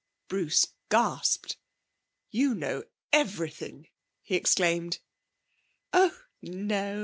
Bruce gasped. 'You know everything!' he exclaimed. 'Oh no.